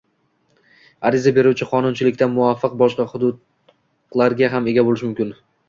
Ariza beruvchi qonunchilikka muvofiq boshqa huquqlarga ham ega bo‘lishi mumkin.